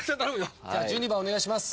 じゃあ１２番お願いします。